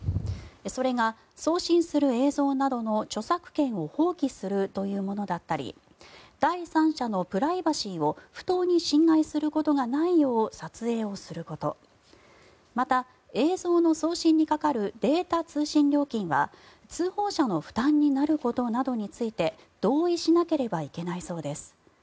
それが、送信する映像などの著作権を放棄するというものだったり第三者のプライバシーを不当に侵害することがないよう撮影をすることまた、映像の送信にかかるデータ通信料金は通報者の負担になることなどについて同意しなければいけないそうです。